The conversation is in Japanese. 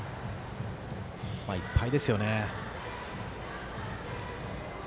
いっぱいですよね。